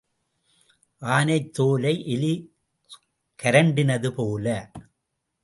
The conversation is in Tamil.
ஆனைத் தோலை எலி கரண்டினது போல.